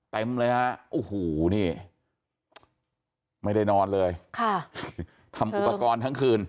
เต็มเลยฮะโอ้โหนี่ไม่ได้นอนเลยค่ะทำอุปกรณ์ทั้งคืน